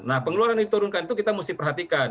nah pengeluaran yang diturunkan itu kita mesti perhatikan